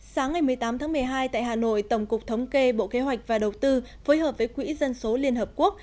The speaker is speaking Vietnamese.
sáng ngày một mươi tám tháng một mươi hai tại hà nội tổng cục thống kê bộ kế hoạch và đầu tư phối hợp với quỹ dân số liên hợp quốc